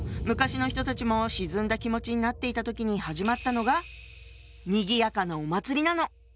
昔の人たちも沈んだ気持ちになっていた時に始まったのがにぎやかなお祭りなの！